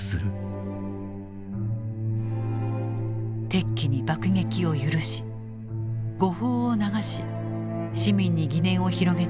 敵機に爆撃を許し誤報を流し市民に疑念を広げてしまった軍。